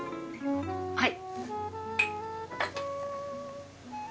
はい。